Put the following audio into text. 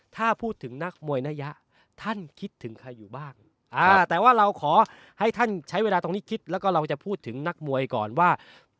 ถ้าพูดถึงนักมวยนัยะท่านคิดถึงใครอยู่บ้างแต่ว่าเราขอให้ท่านใช้เวลาตรงนี้คิดแล้วก็เราจะพูดถึงนักมวยก่อนว่า